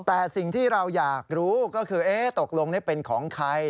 แต่สิ่งที่เราอยากรู้ก็คือตกลงนี่เป็นของใคร